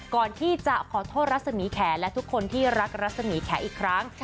ก่อนที่จะขอโทษรัศมีแขนและทุกคนที่รักรัศมีแขอีกครั้ง